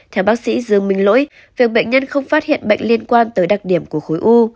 theo bác sĩ dương minh lỗi việc bệnh nhân không phát hiện bệnh liên quan tới đặc điểm của khối u